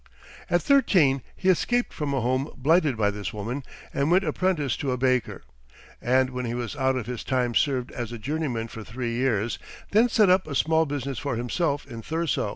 At thirteen he escaped from a home blighted by this woman, and went apprentice to a baker; and when he was out of his time served as a journeyman for three years; then set up a small business for himself in Thurso.